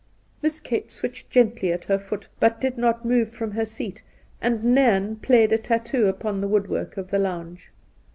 Miss Kate switched gently at her foot, but did not move from her seat, and Nairn played a tattoo upon the woodwork of the lounge.